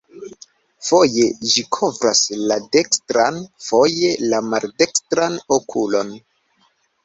Foje ĝi kovras la dekstran, foje la maldekstran okulon.